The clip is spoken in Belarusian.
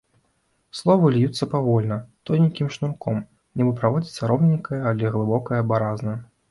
Словы льюцца павольна, тоненькім шнурком, нібы праводзіцца роўненькая, але глыбокая баразна.